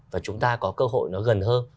và chúng ta có cơ hội nó gần hơn